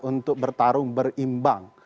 untuk bertarung berimbang